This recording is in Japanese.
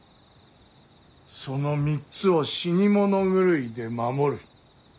その３つを死に物狂いで守る。